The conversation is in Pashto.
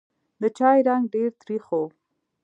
د چای رنګ ډېر تریخ و.